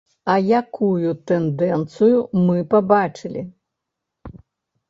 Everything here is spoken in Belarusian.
А якую тэндэнцыю мы пабачылі?